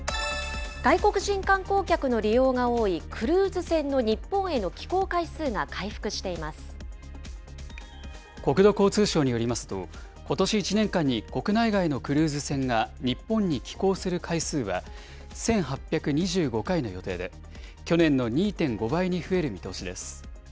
外国人観光客の利用が多い、クルーズ船の日本への寄港回数が回復国土交通省によりますと、ことし１年間に国内外のクルーズ船が日本に寄港する回数は、１８２５回の予定で、去年の２．５倍に増える見通しです。